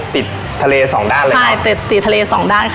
ติดทะเลสองด้านเลยใช่ติดติดทะเลสองด้านค่ะ